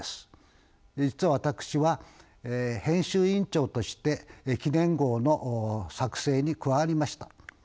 実は私は編集委員長として記念号の作成に加わりました。